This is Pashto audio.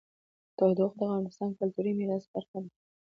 تودوخه د افغانستان د کلتوري میراث برخه ده.